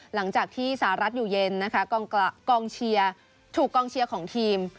หลังจากที่สหรัฐอยู่เย็นนะคะกองเชียร์ถูกกองเชียร์ของทีม